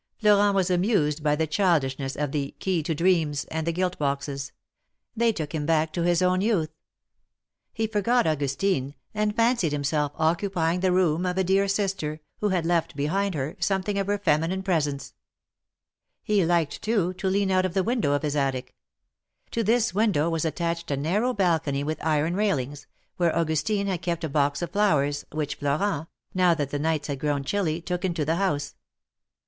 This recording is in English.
Florent was amused by the childishness of the ''Key to Dreams" and the gilt boxes; they took him back to his own youth. THE MARKETS OF PARIS. 139 He forgot Augustine, and fancied himself occupying the room of a dear sister, who had left behind her, something of her feminine presence. He liked, too, to Jean out of the window of his attic. To this window was attached a narrow balcony with iron rail ings, where Augustine had kept a box of flowers, which Florent, now that the nights had grown chilly, took into the house.